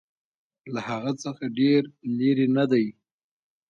له هغه څخه ډېر لیري نه دی.